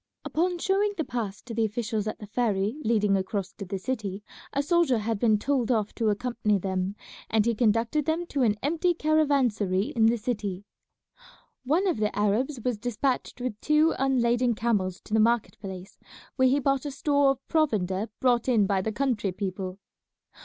Upon showing the pass to the officials at the ferry leading across to the city a soldier had been told off to accompany them, and he conducted them to an empty caravansary in the city. One of the Arabs was despatched with two unladen camels to the market place, where he bought a store of provender brought in by the country people.